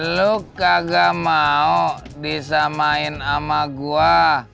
lu kagak mau disamain sama gua